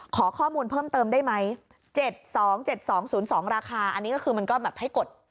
ขอข้อมูลเพิ่มเติมได้ไหม๗๒๗๒๐๒ราคาอันนี้ก็คือมันก็แบบให้กด